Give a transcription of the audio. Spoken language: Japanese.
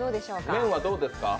麺はどうですか？